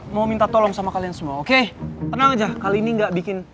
mau minta tolong sama kalian semua oke tenang aja kali ini enggak bikin